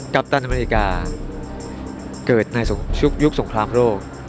ปัปตันอเมริกาเกิดในยุคสงครามโลก